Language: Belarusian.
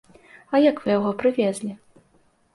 А як вы яго прывезлі?